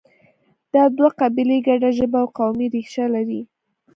دا دوه قبیلې ګډه ژبه او قومي ریښه لري.